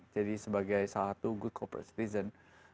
jadi sebagai satu good corporate citizen